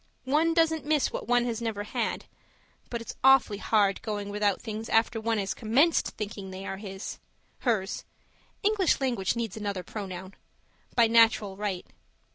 One doesn't miss what one has never had; but it's awfully hard going without things after one has commenced thinking they are his hers (English language needs another pronoun) by natural right.